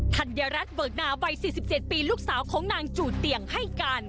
ธัญรัฐเบิกนาวัย๔๗ปีลูกสาวของนางจูดเตียงให้การ